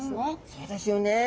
そうですよね。